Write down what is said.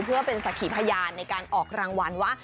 เพื่อเป็นสักขีพยานในการออกรางวัลว่า